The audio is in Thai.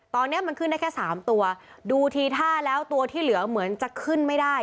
ตอนนี้มันขึ้นได้แค่สามตัวดูทีท่าแล้วตัวที่เหลือเหมือนจะขึ้นไม่ได้